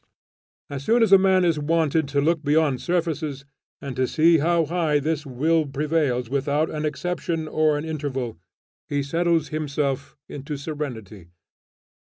As soon as a man is wonted to look beyond surfaces, and to see how this high will prevails without an exception or an interval, he settles himself into serenity.